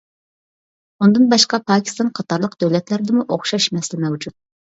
ئۇندىن باشقا، پاكىستان قاتارلىق دۆلەتلەردىمۇ ئوخشاش مەسىلە مەۋجۇت.